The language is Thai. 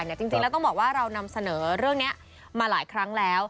จริงแล้วต้องบอกว่าเรานำเสนอเรื่องนี้มาหลายครั้งแล้ว